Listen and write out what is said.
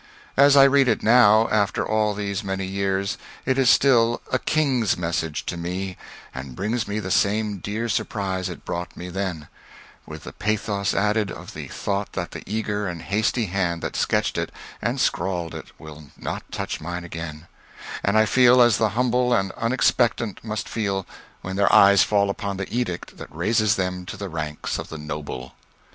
As I read it now, after all these many years, it is still a king's message to me, and brings me the same dear surprise it brought me then with the pathos added, of the thought that the eager and hasty hand that sketched it and scrawled it will not touch mine again and I feel as the humble and unexpectant must feel when their eyes fall upon the edict that raises them to the ranks of the noble.